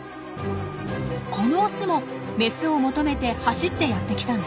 このオスもメスを求めて走ってやって来たんです。